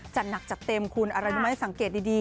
จะหนักจะเต็มคุณอ๑๘๙๐สังเกตดี